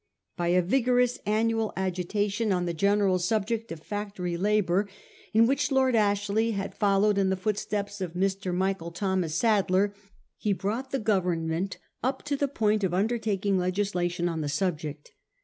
By a vigorous annual agitation on the general 1841. TIIE FACTORIES ACT. 305 subject of factory labour, in which Lord Ashley had followed in the footsteps of Mr. Michael Thomas Sadler, he brought the Government up to the point of undertaking legislation on the subject.